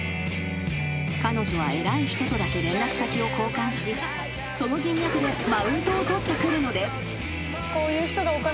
［彼女は偉い人とだけ連絡先を交換しその人脈でマウントを取ってくるのです］